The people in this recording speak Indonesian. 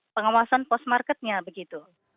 pengawasan post marketnya begitu